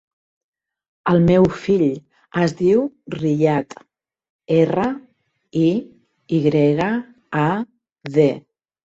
El meu fill es diu Riyad: erra, i, i grega, a, de.